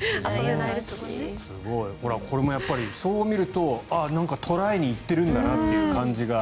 これもそう見るとなんか捕らえに行ってるんだなという感じが。